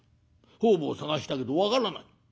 方々捜したけど分からない。